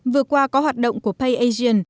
vừa qua có hoạt động của payasian